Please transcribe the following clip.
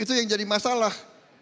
itu yang jadi masalah